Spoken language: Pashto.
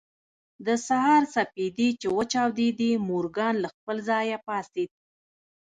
د سهار سپېدې چې وچاودېدې مورګان له خپل ځايه پاڅېد.